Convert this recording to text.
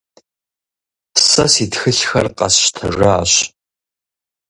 Сэ си тхылъхэр къэсщтэжащ.